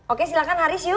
oke silahkan haris yuk